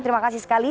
terima kasih sekali